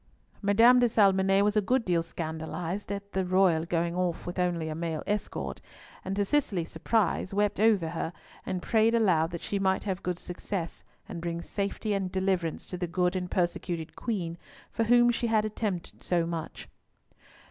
Madame de Salmonnet was a good deal scandalised at Son Altesse Royale going off with only a male escort, and to Cicely's surprise, wept over her, and prayed aloud that she might have good success, and bring safety and deliverance to the good and persecuted Queen for whom she had attempted so much.